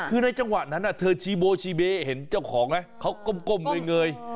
คือในจังหวะนั้นเธอชีโบชีเบเห็นเจ้าของไหมเขาก้มเงย